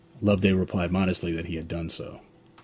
Loveday replied modestly that he had done so.